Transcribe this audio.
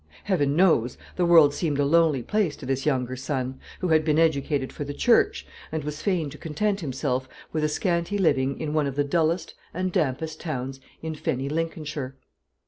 Heaven knows, the world seemed a lonely place to this younger son, who had been educated for the Church, and was fain to content himself with a scanty living in one of the dullest and dampest towns in fenny Lincolnshire.